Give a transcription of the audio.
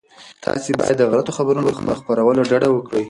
تاسي باید د غلطو خبرونو له خپرولو ډډه وکړئ.